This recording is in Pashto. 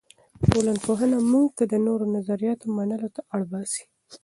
ټولنپوهنه موږ ته د نورو نظریاتو منلو ته اړ باسي.